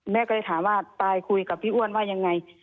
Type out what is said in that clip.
แม่ก็เลยถามว่าปลายคุยกับพี่อ้วนว่ายังไง